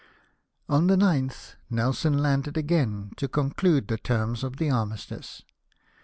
On the 9th Nelson landed again, to conclude the terms of the armistice.